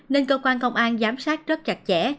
nên cơ quan công an giám sát rất chặt chẽ